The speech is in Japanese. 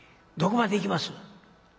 どこまで行きます？」。